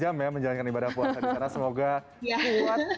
dua jam ya menjalankan ibadah puasa di sana semoga kuat